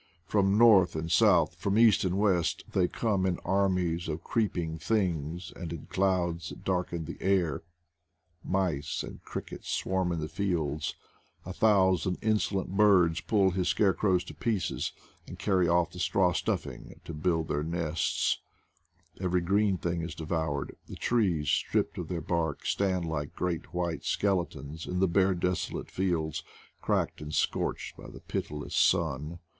From north and south, from east and west, they come in armies of creep ing things and in clouds that darken the air. Mice and crickets swarm in the fields; a thousand in solent birds pull his scarecrows to pieces, and carry off the straw stuffing to build their nests; every green thing is devoured; the trees, stripped of their bark, stand like great white skeletons in the bare desolate fields, cracked and scorched by the pitiless sun.